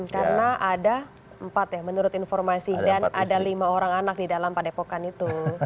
karena ada empat ya menurut informasi dan ada lima orang anak di dalam pada epokan itu